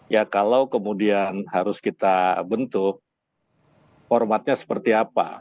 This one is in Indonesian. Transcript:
ya kalau kemudian harus kita bentuk formatnya seperti apa